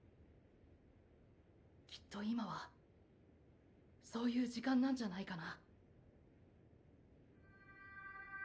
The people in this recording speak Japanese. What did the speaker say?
きっと今はそういう時間なんじゃないかな。